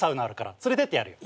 連れてってやるよ。